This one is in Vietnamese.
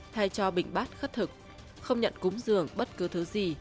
thay cho bình bát khất thực không nhận cúng dường bất cứ thứ gì